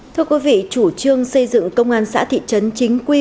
thưa quý vị chủ trương xây dựng công an xã thị trấn chính quy